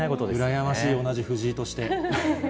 羨ましい、同じ藤井として。